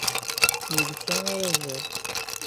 Yelsa arazal.